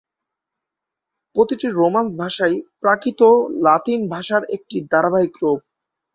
প্রতিটি রোমান্স ভাষাই প্রাকৃত লাতিন ভাষার একটি ধারাবাহিক রূপ।